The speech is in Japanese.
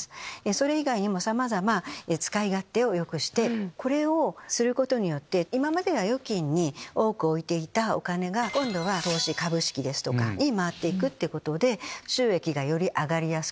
それ以外にもさまざま使い勝手をよくしてこれをすることによって今までは預金に多く置いていたお金が今度は投資株式ですとかに回っていくってことで収益がより上がりやすくなる。